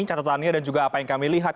catatannya dan juga apa yang kami lihat